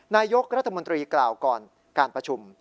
นายกรัฐมนตรีกล่าวก่อนการประชุม